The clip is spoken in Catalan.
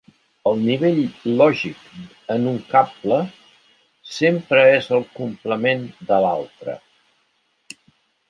El nivell lògic en un cable sempre és el complement de l'altre.